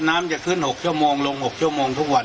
น้ำจะขึ้น๖ชั่วโมงลง๖ชั่วโมงทุกวัน